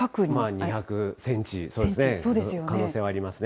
２００センチ、そうですね、可能性はありますね。